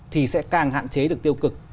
thì sẽ càng hạn chế được tiêu cực